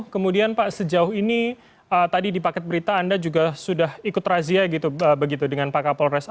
kemudian pak sejauh ini tadi di paket berita anda juga sudah ikut razia gitu dengan pak kapolres